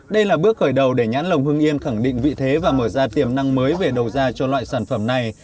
đây là bước khởi đầu để nhãn lồng hưng yên khẳng định vị thế và mở ra tiềm năng mới về đầu ra cho loại sản phẩm này